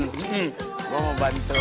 gue mau bantu